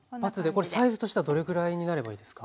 これサイズとしてはどれぐらいになればいいですか？